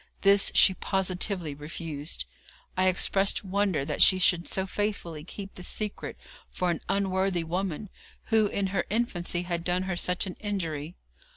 This she positively refused. I expressed wonder that she should so faithfully keep this secret for an unworthy woman, who in her infancy had done her such an injury.